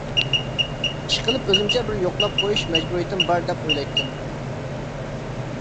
ئىشقىلىپ ئۆزۈمچە بىر يوقلاپ قويۇش مەجبۇرىيىتىم بار دەپ ئويلايتتىم.